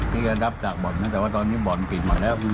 ที่จะนับจากบ่อนนะแต่ว่าตอนนี้บ่อนปิดหมดแล้ว